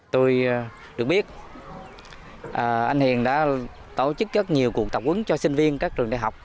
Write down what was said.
tôi được biết anh hiền đã tổ chức rất nhiều cuộc tập ứng cho sinh viên các trường đại học